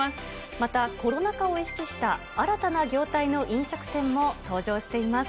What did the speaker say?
また、コロナ禍を意識した新たな業態の飲食店も登場しています。